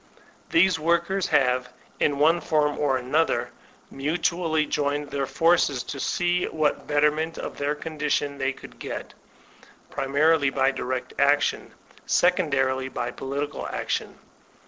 These workers have, in one form or another, mutually joined their forces to see what betterment of their con 232 VOLTAIRINE DE ClEYKE dtdon they could get; primarily by direct action, sec ondarily through political action.